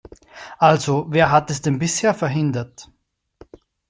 Also, wer hat es denn bisher verhindert?